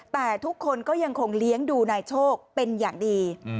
แต่ทุกคนก็ยังคงเลี้ยงดูนายโชคเป็นอย่างดี